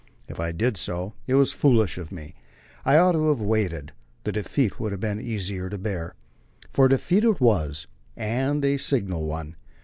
If I did so, it was foolish of me. I ought to have waited; the defeat would have been easier to bear. For defeat it was, and a signal one.